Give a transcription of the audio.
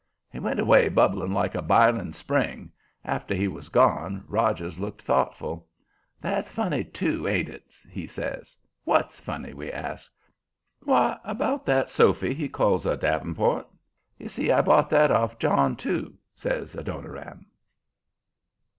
He went away bubbling like a biling spring. After he was gone Rogers looked thoughtful. "That's funny, too, ain't it?" he says. "What's funny?" we asked. "Why, about that sofy he calls a davenport. You see, I bought that off John, too," says Adoniram.